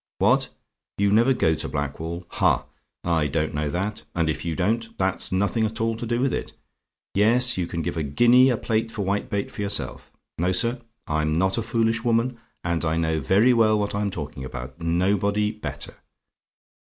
What? "YOU NEVER GO TO BLACKWALL? "Ha! I don't know that; and if you don't, that's nothing at all to do with it. Yes, you can give a guinea a plate for whitebait for yourself. No, sir: I'm not a foolish woman: and I know very well what I'm talking about nobody better.